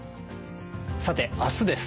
さて明日です。